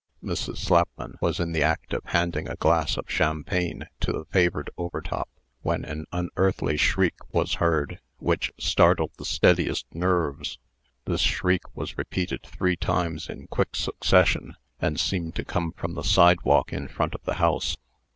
Mrs. Slapman was in the act of handing a glass of champagne to the favored Overtop, when an unearthly shriek was heard, which startled the steadiest nerves. This shriek was repeated three times in quick succession, and seemed to come from the sidewalk in front of the house.